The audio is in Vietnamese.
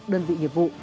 đơn vị hiệp vụ